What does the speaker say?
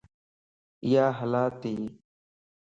اِيا هلّا تي